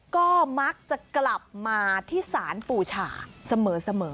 ก็มักจะกลับมาที่สารปูชาเสมอ